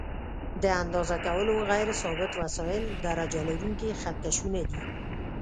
د اندازه کولو غیر ثابت وسایل درجه لرونکي خط کشونه دي.